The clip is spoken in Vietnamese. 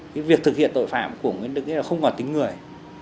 cái việc thực hiện tội phạm của nguyễn đức nghĩa là không còn tính người